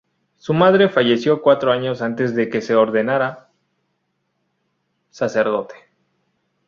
Su madre falleció cuatro años antes de que se ordenara sacerdote.